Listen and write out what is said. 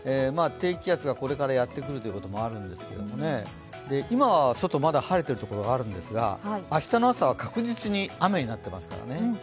低気圧がこれからやってくるということもあるんですけれども、今は外、まだ晴れている所があるんですが明日の朝は確実に雨になっていますからね。